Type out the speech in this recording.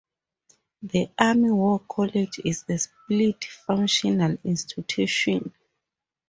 The Army War College is a split-functional institution.